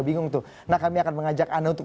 bingung tuh nah kami akan mengajak anda untuk